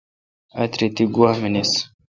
آتری تی گوا منیس۔